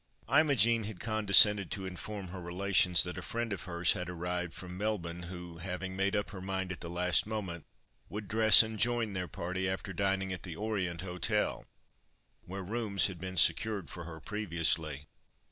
Imogen had condescended to inform her relations that a friend of hers had arrived from Melbourne, who, having made up her mind at the last moment, would dress and join their party after dining at the Orient Hotel, where rooms had been secured for her previously.